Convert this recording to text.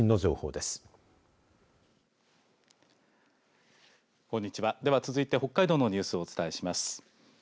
では続いて北海道のニュースをお伝えします。